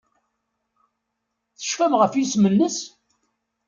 Tecfam ɣef yisem-nnes?